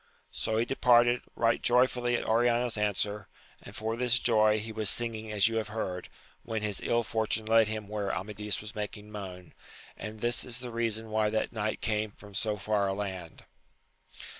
So he departed, right joyful at Oriana's answer, and for this joy he was singing as you have heard, when his ill fortune led him where Amadis was making moan ; and this is the reason why that knight came from so far a land.